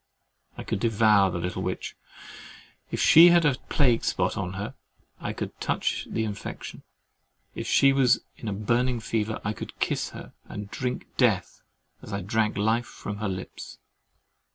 I could devour the little witch. If she had a plague spot on her, I could touch the infection: if she was in a burning fever, I could kiss her, and drink death as I have drank life from her lips.